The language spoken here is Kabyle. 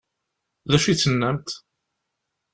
D acu i d-tennamt?